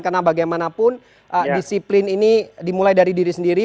karena bagaimanapun disiplin ini dimulai dari diri sendiri